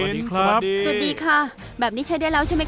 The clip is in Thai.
วันนี้เลยใช่ได้ใช่ไหม